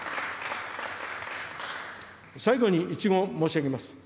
最後に一言、申し上げます。